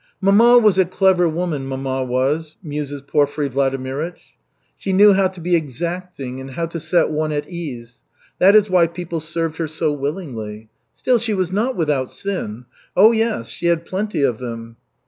"Mamma was a clever woman, mamma was," muses Porfiry Vladimirych. "She knew how to be exacting and how to set one at ease that is why people served her so willingly. Still she was not without sins. Oh, yes, she had plenty of them."